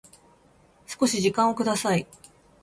少し時間をください